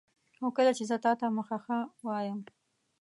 او کله چي زه تاته مخه ښه وایم